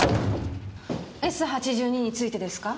「Ｓ８２」についてですか？